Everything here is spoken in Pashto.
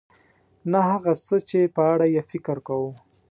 نه هغه څه چې په اړه یې فکر کوو .